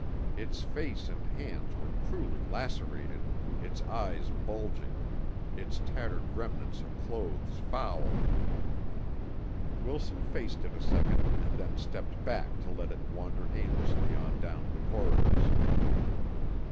Its face and hands were cruelly lacerated, its eyes bulging, its tattered remnants of clothes foul. Wilson faced it a second and then stepped back to let it wander aimlessly on down the corridors.